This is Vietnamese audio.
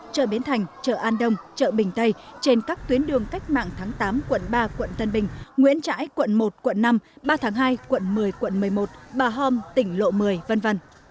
chợ bến thành chợ an đông chợ bình tây trên các tuyến đường cách mạng tháng tám quận ba quận tân bình nguyễn trãi quận một quận năm ba tháng hai quận một mươi quận một mươi một bà hom tỉnh lộ một mươi v v